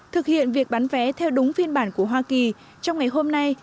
thực hiện việc bán vé theo đúng phiên bản của hoa kỳ trong ngày hôm nay